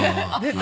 何？